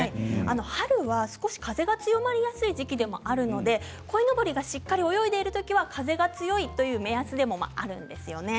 春は風が少し強まりやすい時期でもあるのでこいのぼりがしっかり泳いでいるときは風が強いという目安でもあるんです。